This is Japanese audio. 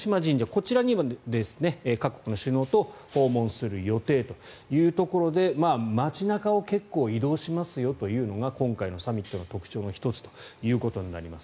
こちらにも各国の首脳と訪問する予定というところで街中を結構移動しますよというのが今回のサミットの特徴となります。